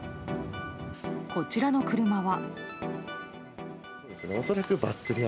こちらの車は。